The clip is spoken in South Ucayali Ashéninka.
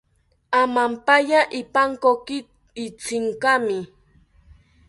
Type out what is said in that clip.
Amampaya ipankoki Itzinkami